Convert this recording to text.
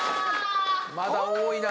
まだ多いな。